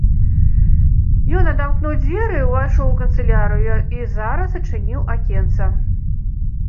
Ён адамкнуў дзверы, увайшоў у канцылярыю і зараз адчыніў акенца.